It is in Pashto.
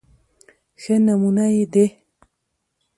ښه نمونه يې د